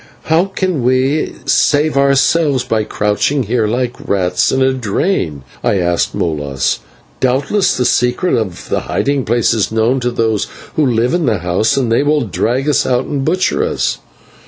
"How can we save ourselves by crouching here like rats in a drain?" I asked of Molas. "Doubtless the secret of the hiding place is known to those who live in the house, and they will drag us out and butcher us."